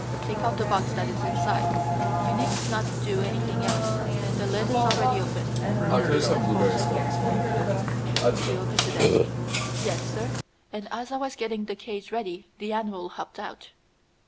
Take out the box that is inside. You need not do anything else. The lid is already open. Eustace Borlsover." "And you opened the desk?" "Yes, sir; and as I was getting the cage ready the animal hopped out."